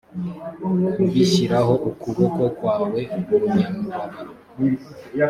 kubishyiraho ukuboko kwawe umunyamubabaro